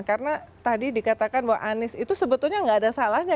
karena tadi dikatakan bahwa anies itu sebetulnya tidak ada salahnya